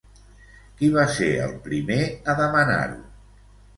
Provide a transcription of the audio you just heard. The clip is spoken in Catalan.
Qui va ser el primer a demanar-ho?